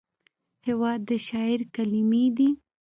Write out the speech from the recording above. هېواد د شاعر کلمې دي.